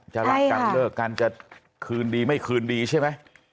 การเลิกการจะคืนดีไม่คืนดีใช่มั้ย